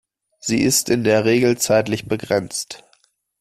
Sie ist in der Regel zeitlich begrenzt.